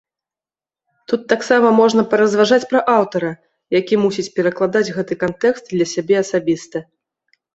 Тут таксама можна паразважаць пра аўтара, які мусіць перакладаць гэты кантэкст для сябе асабіста.